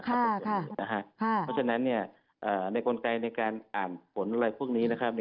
เพราะฉะนั้นในกลไกในการอ่านผลอะไรพวกนี้นะครับ